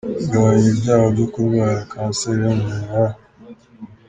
Bigabanya ibyago byo kurwara kanseri yo mu buhaha.